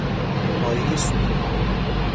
پایهی ستون